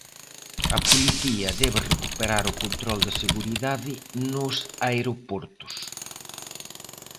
A policía debe recuperar o control de seguridade nos aeroportos.